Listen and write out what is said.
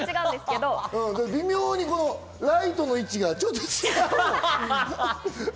ライトの位置がちょっと違う。